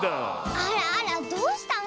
あらあらどうしたの？